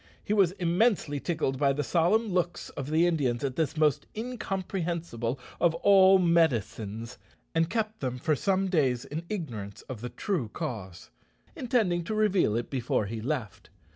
He was immensely tickled by the solemn looks of the Indians at this most incomprehensible of all "medicines," and kept them for some days in ignorance of the true cause, intending to reveal it before he left.